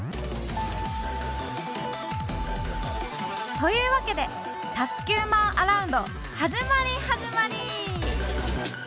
というわけで『＋９００００ アラウンド』始まり始まり！